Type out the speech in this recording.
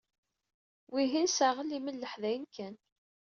Wihin saɣel imelleḥ dayen kan.